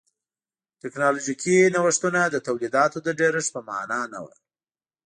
ټکنالوژیکي نوښتونه د تولیداتو د ډېرښت په معنا نه و.